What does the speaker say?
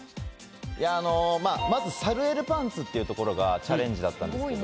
いやあのまずサルエルパンツっていうところがチャレンジだったんですけど。